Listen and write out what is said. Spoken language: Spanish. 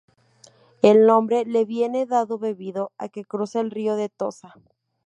El nombre le viene dado debido a que cruza el río de Tosa.